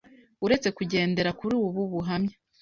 Uretse kugendera kuri ubu buhamya,